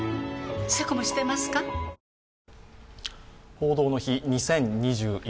「報道の日２０２１」